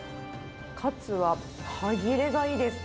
カツは歯切れがいいです。